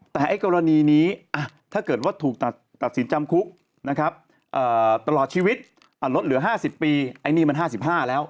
แต่ไอ้กรณีนี้ถ้าเกิดว่าถูกตัดสินจำคุกนะครับตลอดชีวิตลดเหลือ๕๐ปีไอ้นี่มัน๕๕แล้ว